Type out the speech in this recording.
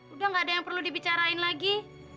udah gak ada yang perlu dibicarain lagi